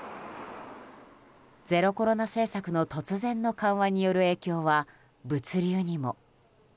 ゼロコロナ政策の突然の緩和による影響は、物流にも。